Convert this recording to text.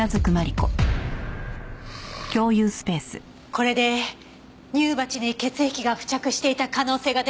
これで乳鉢に血液が付着していた可能性が出てきたわ。